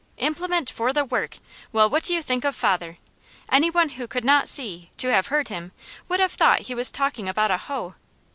"Implement for the work!" Well, what do you think of father? Any one who could not see, to have heard him, would have thought he was talking about a hoe.